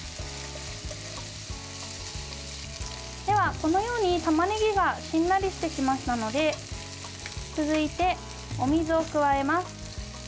では、このように、たまねぎがしんなりしてきましたので続いて、お水を加えます。